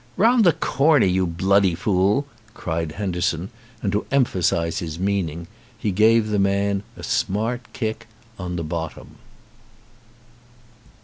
"Round the corner, you bloody fool," cried Henderson, and to emphasize his meaning he gave the man a smart kick on the bottom.